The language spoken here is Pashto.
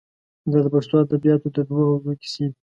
دا د پښتو ادبیاتو د دوو حوزو کیسې دي.